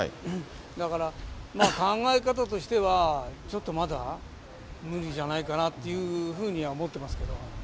だから、考え方としては、ちょっとまだ無理じゃないかなというふうには思ってますけど。